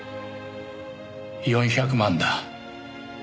４００万だ。